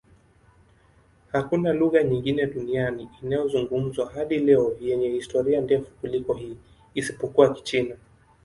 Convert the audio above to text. Hakuna lugha nyingine duniani inayozungumzwa hadi leo yenye historia ndefu kuliko hii, isipokuwa Kichina.